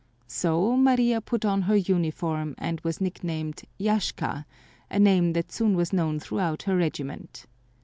So Maria put on her uniform and was nicknamed "Yashka," a name that soon was known throughout her regiment.